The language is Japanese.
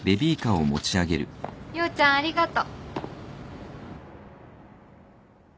陽ちゃんありがと。